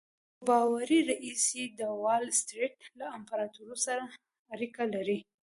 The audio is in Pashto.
یو باوري ريیس یې د وال سټریټ له امپراتور سره اړیکې لري